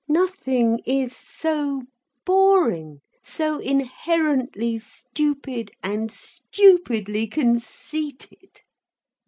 Nothing is so boring, so inherently stupid and stupidly conceited.